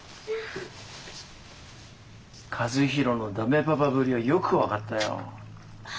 和弘のだめパパぶりはよく分かったよ。